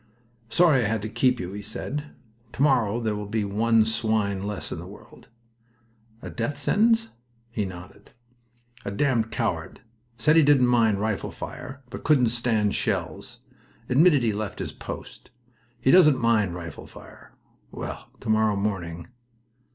"Sorry I had to keep you," he said. "Tomorrow there will be one swine less in the world." "A death sentence?" He nodded. "A damned coward. Said he didn't mind rifle fire, but couldn't stand shells. Admitted he left his post. He doesn't mind rifle fire!... Well, tomorrow morning."